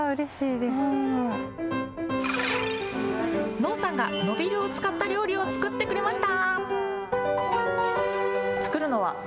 のんさんがノビルを使った料理を作ってくれました。